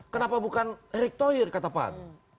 kenapa bukan erick thoir kata bang